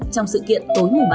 trong sự kiện tối ba tháng năm